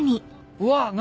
うわ何？